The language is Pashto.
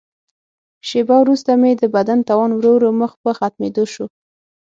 شیبه وروسته مې د بدن توان ورو ورو مخ په ختمېدو شو.